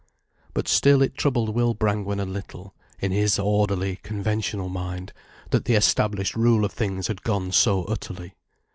But still it troubled Will Brangwen a little, in his orderly, conventional mind, that the established rule of things had gone so utterly.